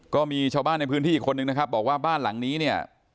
ก็มีชาวบ้านในพื้นที่อีกคนนึงนะครับบอกว่าบ้านหลังนี้เนี่ย